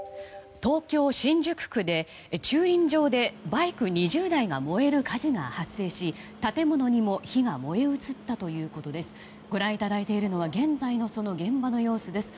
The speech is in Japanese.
東京・新宿区で駐輪場でバイク２０台が燃える火事が発生し建物にも火が燃え移ったということです。